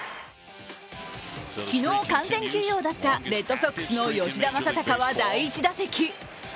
昨日、完全休養だったレッドソックスの吉田正尚は第１打席。